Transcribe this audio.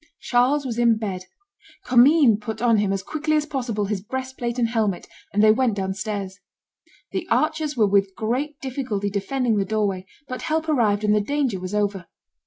Charles was in bed. Commynes put on him, as quickly as possible, his breastplate and helmet, and they went down stairs. The archers were with great difficulty defending the doorway, but help arrived, and the danger was over.